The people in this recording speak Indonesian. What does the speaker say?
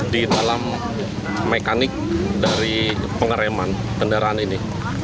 di dalam mekanik dari pengereman kendaraan ini